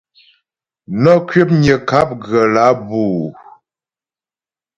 Nə kwəpnyə ŋkáp ghə̀ lǎ bǔ ?